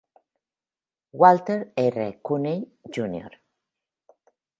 Walter R. Cooney Jr.